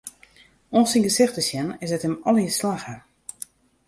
Oan syn gesicht te sjen, is it him allegear slagge.